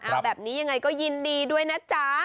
เอาแบบนี้ยังไงก็ยินดีด้วยนะจ๊ะ